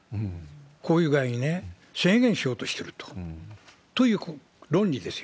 こういう具合にね、制限しようとしてるという論理ですよ。